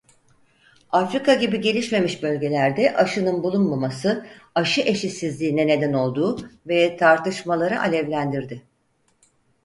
Afrika gibi gelişmemiş bölgelerde aşının bulunmaması aşı eşitsizliğine neden oldu ve tartışmaları alevlendirdi.